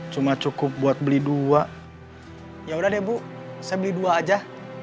cuma cukup buat beli dua ya udah deh bu saya beli dua aja